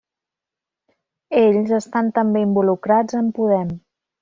Ells estan també involucrats en Podem.